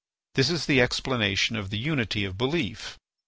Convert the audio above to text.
This is the explanation of the unity of belief.